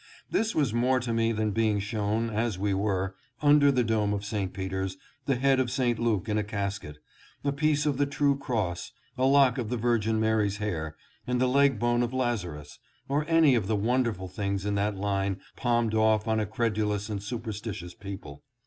This was more to me than being shown, as we were, under the dome of St. Peter's, the head of St. Luke in a casket, a piece of the true cross, a lock of the Virgin Mary's hair, and the leg bone of Lazarus ; or any of the wonderful things in that line palmed off on a credulous and superstitious people.